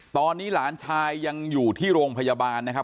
ตอนนี้หลานชายยังอยู่ที่โรงพยาบาลนะครับ